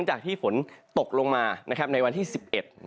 จากที่ฝนตกลงมาในวันที่๑๑